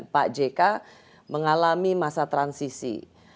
pak jk mengalami masa transisi